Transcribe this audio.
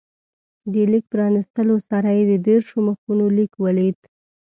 د لیک پرانستلو سره یې د دېرشو مخونو لیک ولید.